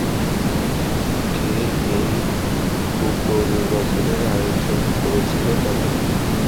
কে এই উপ-নির্বাচনের আয়োজন করেছিল জানো?